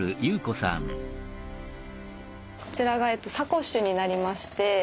こちらがサコッシュになりまして。